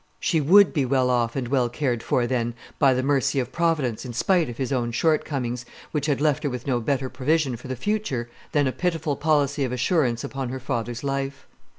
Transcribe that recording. She would be well off and well cared for, then, by the mercy of Providence, in spite of his own shortcomings, which had left her with no better provision for the future than a pitiful Policy of Assurance upon her father's life.